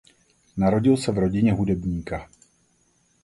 Narodil se v rodině hudebníka.